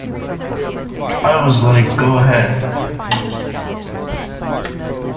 I was like, 'Go ahead.